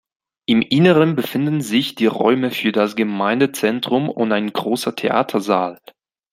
Im Inneren befinden sich die Räume für das Gemeindezentrum und ein großer Theatersaal.